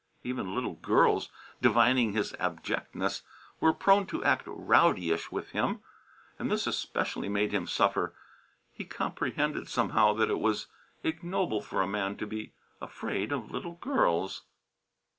Even little girls, divining his abjectness, were prone to act rowdyish with him. And this especially made him suffer. He comprehended, somehow, that it was ignoble for a man child to be afraid of little girls.